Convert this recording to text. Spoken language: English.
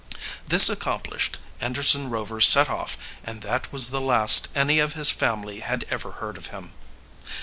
This accomplished, Anderson Rover set off and that was the last any of his family had ever heard of him.